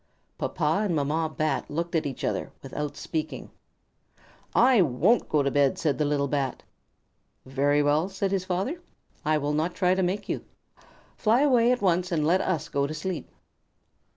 Papa and Mamma Bat looked at each other without speaking. "I won't go to bed!" said the little Bat. "Very well," said his father. "I shall not try to make you. Fly away at once and let us go to sleep."